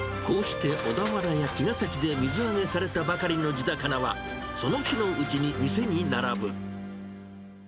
こうして小田原や茅ヶ崎で水揚げされたばかりの地魚は、その日のうちに店に並ぶ。